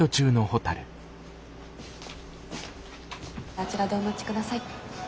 あちらでお待ち下さい。